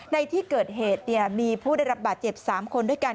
ในที่เกิดเหตุมีผู้ได้รับบาดเจ็บ๓คนด้วยกัน